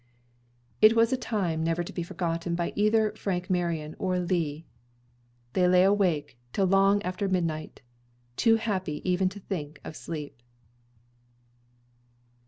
It was a time never to be forgotten by either Frank Marion or Lee. They lay awake till long after midnight, too happy even to think of sleep.